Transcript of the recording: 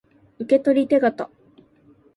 受取手形